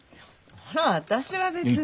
あら私は別に。